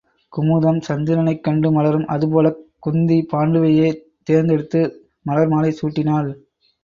குமுதம் சந்திரனைக்கண்டு மலரும் அதுபோலக் குந்தி பாண்டுவையே தேர்ந்து எடுத்து மலர்மாலை சூட்டினாள்.